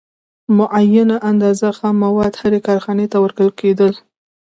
معینه اندازه خام مواد هرې کارخانې ته ورکول کېدل